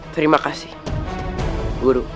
terima kasih guru